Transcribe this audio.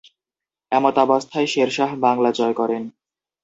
এমতাবস্থায় শেরশাহ বাংলা জয় করেন।